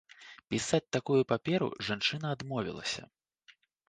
Пісаць такую паперу жанчына адмовілася.